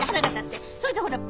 それでほら。